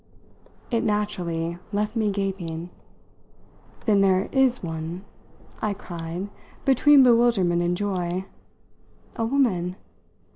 It naturally left me gaping. "Then there is one?" I cried between bewilderment and joy. "A woman?